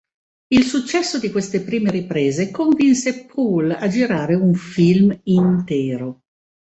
Il successo di queste prime riprese convinse Poole a girare un film intero.